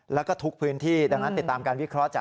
แล้วก็ทุกพื้นที่ดังนั้นติดตามการวิเคราะห์จาก